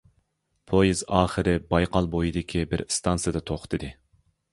پويىز ئاخىرى بايقال بويىدىكى بىر ئىستانسىدا توختىدى.